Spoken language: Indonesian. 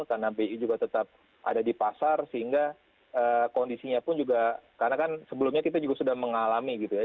karena bi juga tetap ada di pasar sehingga kondisinya pun juga karena kan sebelumnya kita juga sudah mengalami gitu ya